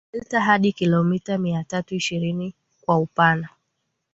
delta hadi kilomita miatatu ishirini kwa upana